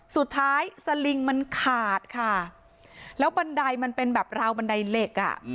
สลิงมันขาดค่ะแล้วบันไดมันเป็นแบบราวบันไดเหล็กอ่ะ